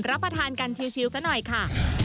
รับประทานกันชิลซะหน่อยค่ะ